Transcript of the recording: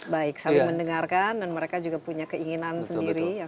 baik saling mendengarkan dan mereka juga punya keinginan sendiri